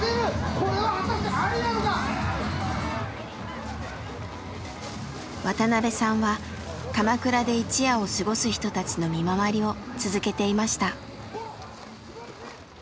これは果たしてありなのか⁉渡邊さんはかまくらで一夜を過ごす人たちの見回りを続けていました。